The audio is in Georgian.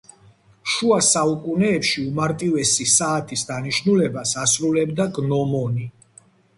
შუა საუკუნეებში უმარტივესი საათის დანიშნულებას ასრულებდა გნომონი.